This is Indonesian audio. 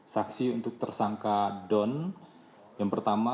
saksi untuk tersangka don